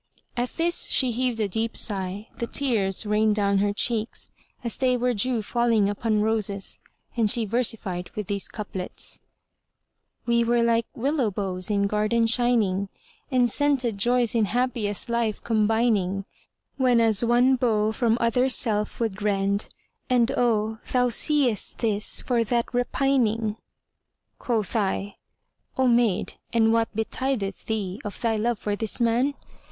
At this she heaved a deep sigh; the tears rained down her cheeks, as they were dew falling upon roses, and she versified with these couplets, "We were like willow boughs in garden shining * And scented joys in happiest life combining; Whenas one bough from other self would rend * And oh! thou seest this for that repining!" Quoth I, "O maid, and what betideth thee of thy love for this man?"